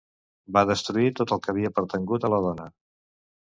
Va destruir tot el que havia pertangut a la dona.